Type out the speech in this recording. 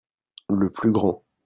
le plus grand.